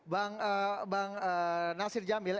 bang bang nasir jamil